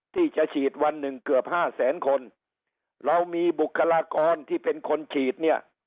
ที่จะฉีดวันหนึ่งเกือบห้าแสนคนเรามีบุคลากรที่เป็นคนฉีดเนี่ย